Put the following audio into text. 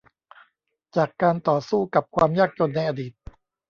จากการต่อสู้กับความยากจนในอดีต